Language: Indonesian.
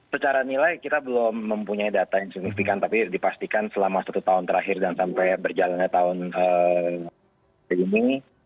secara nilai kita belum mempunyai data yang signifikan tapi dipastikan selama satu tahun terakhir dan sampai berjalannya tahun ini